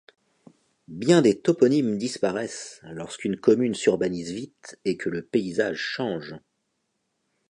Bien des toponymes disparaissent lorsqu'une commune s'urbanise vite et que le paysage change.